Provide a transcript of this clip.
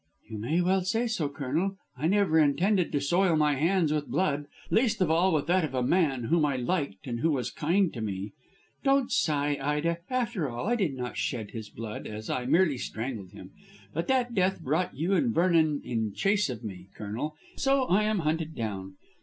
"You may well say so, Colonel. I never intended to soil my hands with blood, least of all with that of a man whom I liked and who was kind to me. Don't sigh, Ida; after all, I did not shed his blood, as I merely strangled him. But that death brought you and Vernon in chase of me, Colonel, and so I am hunted down.